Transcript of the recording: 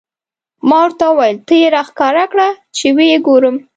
ما ورته وویل: ته یې را ښکاره کړه، چې و یې ګورم.